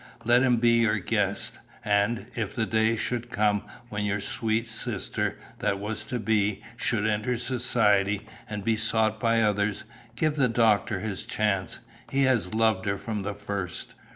Let him be your guest. And, if the day should come when your sweet sister that was to be should enter society and be sought by others, give the doctor his chance. He has loved her from the first.'"